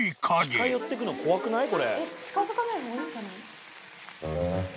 近寄ってくの怖くない？